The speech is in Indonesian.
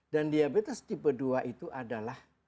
dan diabetes tipe dua itu adalah